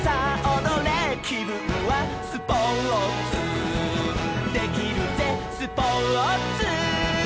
「きぶんはスポーツできるぜスポーツ」